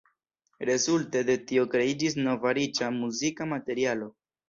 Rezulte de tio kreiĝis nova riĉa muzika materialo.